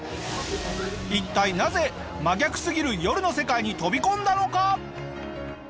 一体なぜ真逆すぎる夜の世界に飛び込んだのか？